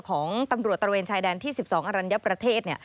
ของตำรวจตระเวนชายแดนที่๑๒อรัญญประเทศ